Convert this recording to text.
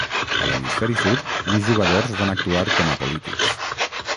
A l'hemisferi sud uns jugadors van actuar com a polítics.